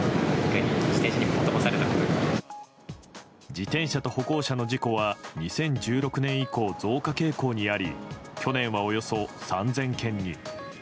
自転車と歩行者の事故は２０１６年以降、増加傾向にあり去年は、およそ３０００件に。